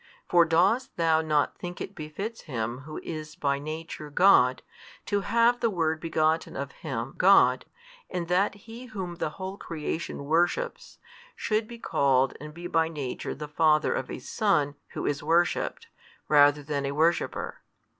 For dost thou not think it befits Him Who is by. Nature God, to have the Word begotten of Him God, and that He Whom the whole creation worships, should be called and be by Nature the Father of a Son Who is worshipped, rather than a worshipper?